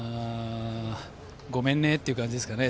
ごめんねっていう感じですかね。